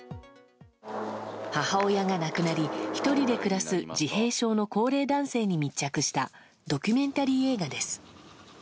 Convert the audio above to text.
母親が亡くなり１人で暮らす自閉症の高齢男性に密着したドキュメンタリー映画です。